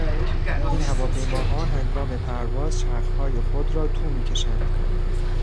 این هواپیماها هنگام پرواز چرخهای خود را تو میکشند.